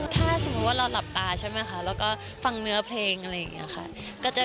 ถ้าสมมุติว่าเราหลับตาใช่ไหมคะแล้วก็ฟังเนื้อเพลงอะไรอย่างนี้ค่ะ